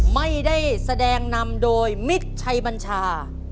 ไม่ได้แสดงนำโดยมิตรชัยบัญชา